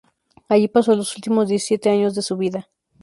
Allí pasó los últimos diecisiete años de su vida..